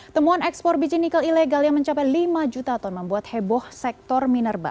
temuan ekspor biji nikel ilegal yang mencapai lima juta ton membuat heboh sektor minerba